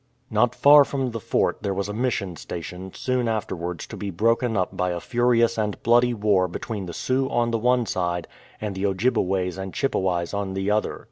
Not far from the Fort there was a Mission station, soon afterwards to be broken up by a furious and bloody war between the Sioux on the one side and the Ojjibeways and Chippeways on the other.